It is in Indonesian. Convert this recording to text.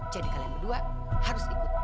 jadi kalian berdua harus ikut